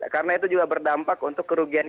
karena itu juga berdampak untuk kerugikan tanah